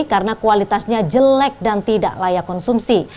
karena kualitasnya jelek dan tidak layak konsumsi